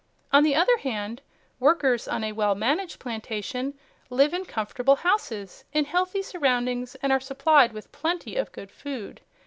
On the other hand, workers on a well managed plantation live in comfortable houses in healthy surroundings and are supplied with plenty of good food.